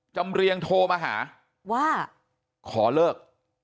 เรียงโทรมาหาว่าขอเลิก